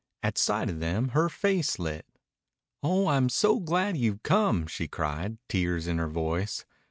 At sight of them her face lit. "Oh, I'm so glad you've come!" she cried, tears in her voice.